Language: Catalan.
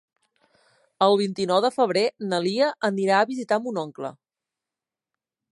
El vint-i-nou de febrer na Lia anirà a visitar mon oncle.